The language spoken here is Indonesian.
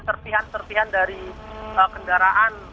serpihan serpihan dari kendaraan